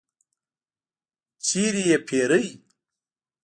چیرته یی پیرئ؟